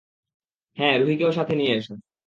হ্যাঁ -রুহিকেও সাথে নিয়ে এসো।